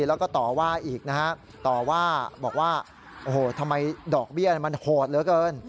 แล้วก็ต่อว่าอีกนะฮะต่อว่าบอกว่าโอ้โหทำไมดอกเบี้ยมันโหดเหลือเกิน